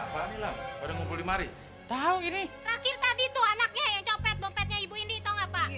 bapak jangan ngelindungi deh pak anaknya